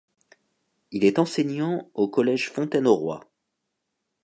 Il est enseignant au collège Fontaine au roi.